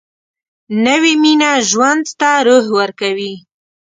نوې مینه ژوند ته روح ورکوي